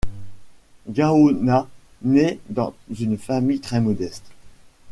Gaona nait dans une famille très modeste.